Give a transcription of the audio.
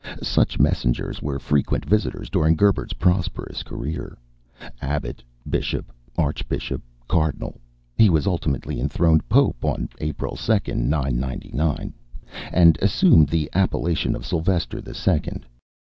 Such messengers were frequent visitors during Gerbert's prosperous career. Abbot, bishop, archbishop, cardinal, he was ultimately enthroned Pope on April 2, 999, and assumed the appellation of Silvester the Second.